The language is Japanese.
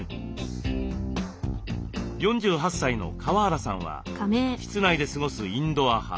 ４８歳の川原さんは室内で過ごすインドア派。